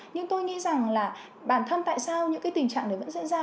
nhưng tôi nghĩ rằng là bản thân tại sao những cái tình trạng đấy vẫn diễn ra